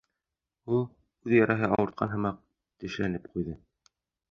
Ул, үҙ яраһы ауыртҡан һымаҡ, тешләнеп ҡуйҙы.